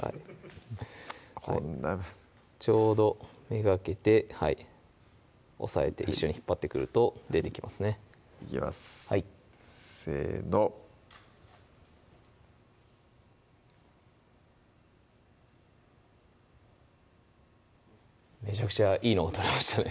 こんなちょうど目がけて押さえて一緒に引っ張ってくると出てきますねいきますせのめちゃくちゃいいの取れましたね